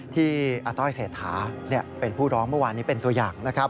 ที่อาต้อยเศรษฐาเป็นผู้ร้องเมื่อวานนี้เป็นตัวอย่างนะครับ